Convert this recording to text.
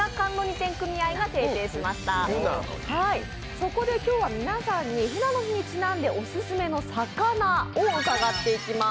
そこで今日は皆さんにフナの日にちなんでオススメの「さかな」を伺っていきます。